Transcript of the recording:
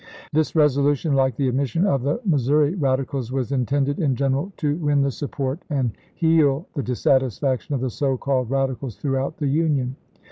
This resolution, like the admission of the Mis souri Radicals, was intended in general to win the 70 ABBAHAM LINCOLN chap. in. support and heal the dissatisfaction of the so called Radicals throughout the Union.